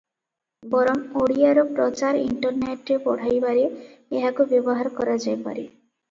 ବରଂ ଓଡ଼ିଆର ପ୍ରଚାର ଇଣ୍ଟରନେଟରେ ବଢ଼ାଇବାରେ ଏହାକୁ ବ୍ୟବହାର କରାଯାଇପାରେ ।